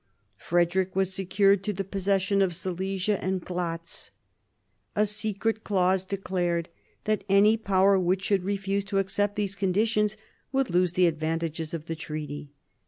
Frederick was secured in the possession of Silesia and Glatz. A secret clause declared that any Power which should refuse to accept these conditions would lose the advantages of the treaty.